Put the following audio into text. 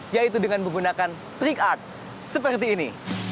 yaitu dengan menggunakan trick art seperti ini